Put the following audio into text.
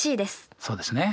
そうですね。